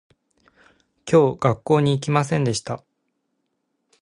今日学校に行きませんでした